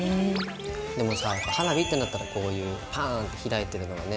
でもさ花火ってなったらこういうパーンって開いてるのがね。